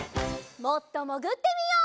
もっともぐってみよう。